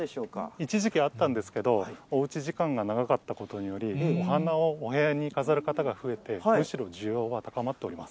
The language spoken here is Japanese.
一時期あったんですけど、おうち時間が長かったことにより、お花をお部屋に飾る方が増えて、むしろ需要は高まっております。